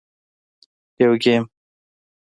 - یو ګېم 🎮